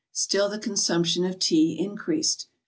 still the consumption of Tea increased.